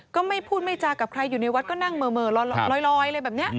ก็ไม่พูดไม่จากับใครอยู่ในวัดก็นั่งเหม่อลอยอะไรแบบนี้